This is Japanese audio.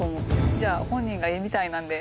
じゃあ本人がいいみたいなんで。